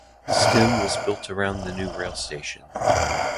Stem was built around this new rail station.